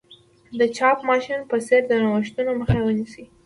د چاپ ماشین په څېر د نوښتونو مخه ونیسي.